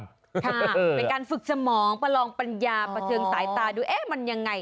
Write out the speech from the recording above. ค่ะเป็นการฝึกสมองประลองปัญญาประเทิงสายตาดูเอ๊ะมันยังไง